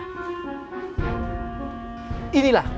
ketua kantor itu adalah siapa